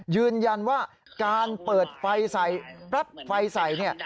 ยืนยันว่าการเปิดไฟใส่ปลั๊บไฟใส่เนี่ย